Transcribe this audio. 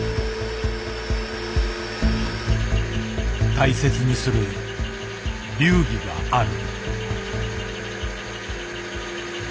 大切にする流儀がある。